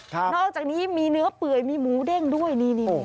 นอกจากนี้มีเนื้อเปื่อยมีหมูเด้งด้วยนี่